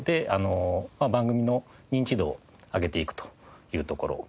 番組の認知度を上げていくというところ。